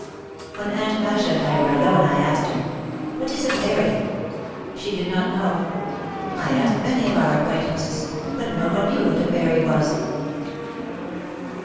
When Aunt Masha and I were alone I asked her, "What is a fairy?" She did not know. I asked many of our acquaintances but no one knew what a fairy was.